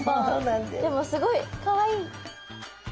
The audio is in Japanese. でもすごいかわいい！